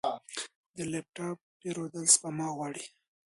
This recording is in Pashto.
د لپ ټاپ پیرودل سپما غواړي.